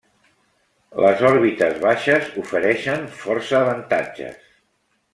Les òrbites baixes ofereixen força avantatges.